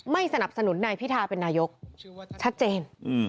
สนับสนุนนายพิทาเป็นนายกชัดเจน